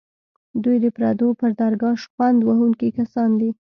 دوی د پردو پر درګاه شخوند وهونکي کسان دي.